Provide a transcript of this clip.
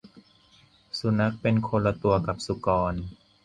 สุนัขเป็นคนละตัวกับสุกร